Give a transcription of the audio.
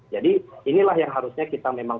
jadi inilah yang harusnya kita memang